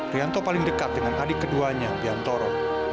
rianto paling dekat dengan adik keduanya biantoro